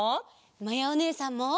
まやおねえさんも。